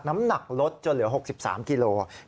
น้ำหนักลดจนเหลือ๖๓กิโลกรัม